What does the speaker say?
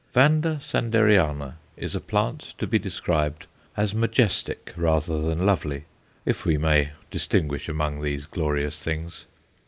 Vanda Sanderiana is a plant to be described as majestic rather than lovely, if we may distinguish among these glorious things.